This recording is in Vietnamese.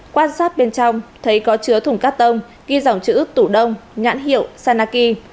quan sát bên trong thấy có chứa thùng cắt tông ghi dòng chữ tủ đông nhãn hiệu sanaki